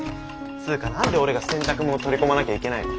つーか何で俺が洗濯物取り込まなきゃいけないの？